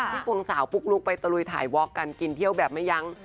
ควงสาวปุ๊กลุ๊กไปตะลุยถ่ายว็อกกันกินเที่ยวแบบไม่ยั้ง